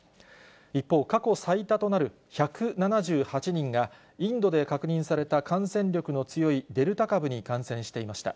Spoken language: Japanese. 一方、過去最多となる１７８人が、インドで確認された感染力の強いデルタ株に感染していました。